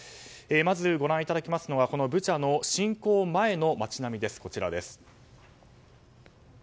まずご覧いただきますのはブチャの侵攻前の街並みです。